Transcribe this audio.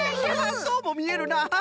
そうもみえるな！